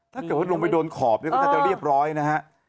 ถ้าเกิดว่าลงไปโดนขอบก็จะเรียบร้อยนะฮะ